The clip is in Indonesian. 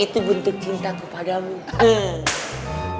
itu bentuk cinta ku padamu